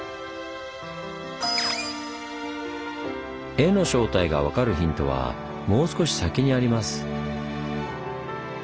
「江」の正体が分かるヒントはもう少し先にあります。